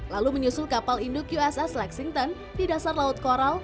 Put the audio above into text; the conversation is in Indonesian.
lalu menyusul kapal induk uss lexington di dasar laut coral